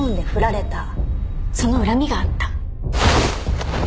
その恨みがあった。